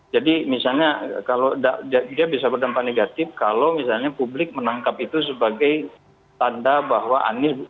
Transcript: jadi misalnya kalau dia bisa berdampak negatif kalau misalnya publik menangkap itu sebagai tanda bahwa anies